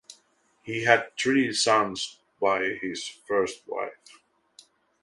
He had three sons by his first wife.